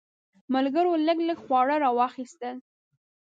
ملګرو لږ لږ خواړه راواخیستل.